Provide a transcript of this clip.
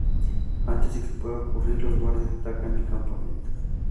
Antes de que pueda ocurrir, los guardias atacan el campamento.